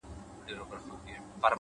بریا له تمرکز سره مل وي؛